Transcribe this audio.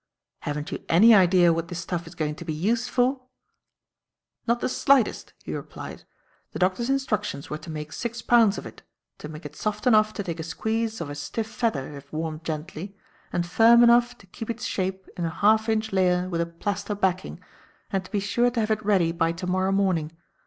"Haven't you any idea what this stuff is going to be used for?" "Not the slightest," he replied. "The Doctor's instructions were to make six pounds of it, to make it soft enough to take a squeeze of a stiff feather if warmed gently, and firm enough to keep its shape in a half inch layer with a plaster backing, and to be sure to have it ready by to morrow morning.